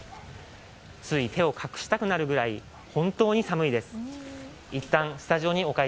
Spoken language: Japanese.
つい手を隠したくなるくらい本当に寒いです。